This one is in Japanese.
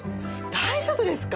大丈夫ですか？